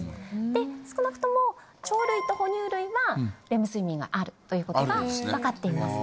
で少なくとも鳥類とほ乳類はレム睡眠があるということが分かっています。